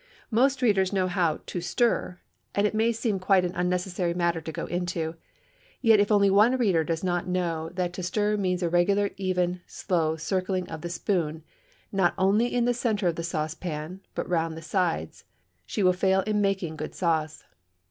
Most readers know how "to stir," and it may seem quite an unnecessary matter to go into. Yet if only one reader does not know that to stir means a regular, even, slow circling of the spoon, not only in the centre of the saucepan, but round the sides, she will fail in making good sauce.